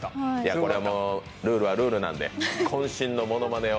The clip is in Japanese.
これはルールはルールなんでこん身のものまねを。